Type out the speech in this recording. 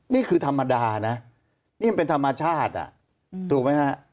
นี่คือธรรมดานี่เป็นธรรมชาติถูกไหมครับ